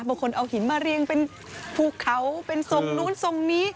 บางคนเอาหินมาเรียงเป็นภูเขาเป็นทรงนู้นทรงนี้